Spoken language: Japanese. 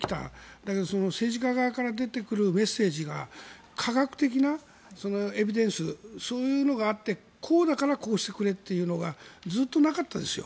だけど、政治家から出てくるメッセージが科学的なエビデンスそういうのがあってこうだからこうしてくれというのがずっとなかったです。